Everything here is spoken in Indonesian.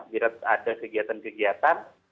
bila ada kegiatan kegiatan